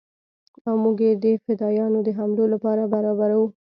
او موږ يې د فدايانو د حملو لپاره برابرو.